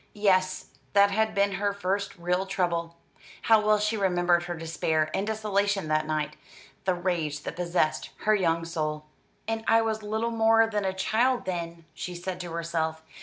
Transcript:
Yes, that had been her first real trouble, How well she remembered her despair and desolation that night, the rage that possessed her young soul. "And I was little more than a child, then," she said to herself.